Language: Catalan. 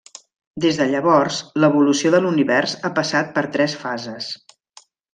Des de llavors, l'evolució de l'univers ha passat per tres fases.